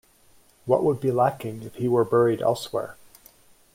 What would be lacking if he were buried elsewhere?